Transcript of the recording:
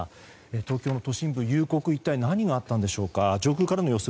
東京の都心部、夕刻一体何があったんでしょうか。